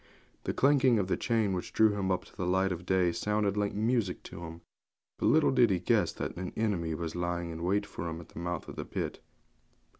The clanking of the chain which drew him up to the light of day sounded like music to him; but little did he guess that an enemy was lying in wait for him at the mouth of the pit.